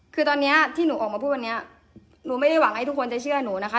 คือตอนนี้ที่หนูออกมาพูดวันนี้หนูไม่ได้หวังให้ทุกคนจะเชื่อหนูนะคะ